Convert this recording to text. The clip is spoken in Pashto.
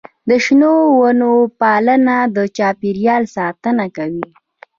د شنو ونو پاملرنه د چاپیریال ساتنه کوي.